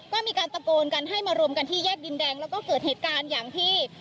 ก็มีการตะโกนกันให้มารวมกันที่แยกดินแดงแล้วก็เกิดเหตุการณ์อย่างที่